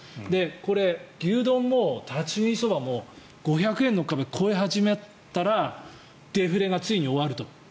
これ、牛丼も立ち食いそばも５００円の壁を超え始めたらデフレがついに終わると。